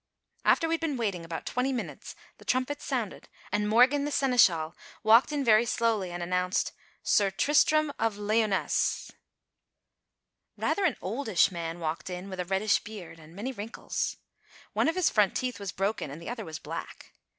After we'd been waiting about twenty minutes, the trumpets sounded and Morgan, the seneschal, walked in very slowly, and announced: "Sir Tristram of Lyoness." Rather an oldish man walked in, with a reddish beard, and many wrinkles. One of his front teeth was broken and the other was black.